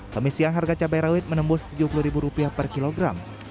pemisian harga cabai rawit menembus tujuh puluh rupiah per kilogram